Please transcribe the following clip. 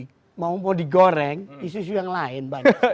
kalau mau digoreng isu isu yang lain